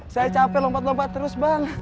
saya capek lompat lompat terus bang